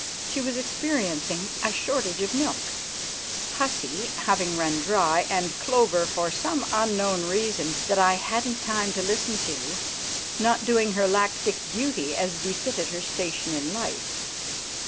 She was experiencing a shortage of milk, "Hussy" having run dry, and "Clover," for some unknown reason that I hadn't time to listen to, not doing her lactic duty as befitted her station in life.